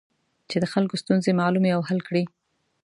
چې د خلکو ستونزې معلومې او حل کړي.